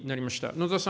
野田さん